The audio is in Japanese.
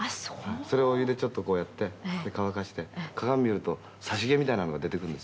「それをお湯でちょっとこうやってで乾かして鏡見ると差し毛みたいなのが出てくるんです」